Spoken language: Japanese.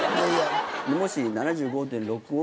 もし７５．６を。